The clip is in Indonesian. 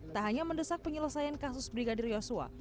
tak hanya mendesak penyelesaian kasus brigadir yosua